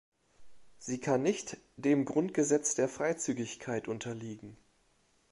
Sie kann nicht dem Grundsatz der Freizügigkeit unterliegen.